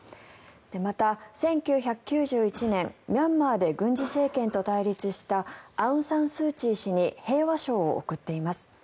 また、１９９１年ミャンマーで軍事政権と対立したアウンサンスーチー氏に平和賞を贈っています。